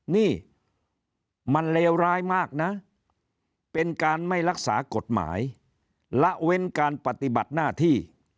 นี่มันเลวร้ายมากนะเป็นการไม่รักษากฎหมายละเว้นการปฏิบัติหน้าที่